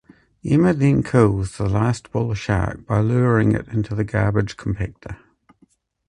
Emma then kills the last bull shark by luring it into the garbage compactor.